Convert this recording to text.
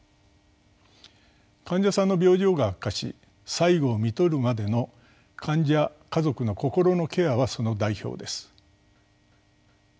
患者さんの病状が悪化し最期を看取るまでの患者家族の心のケアはその代表です。